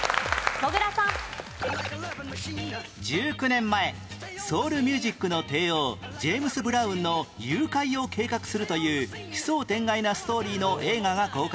１９年前ソウルミュージックの帝王ジェームス・ブラウンの誘拐を計画するという奇想天外なストーリーの映画が公開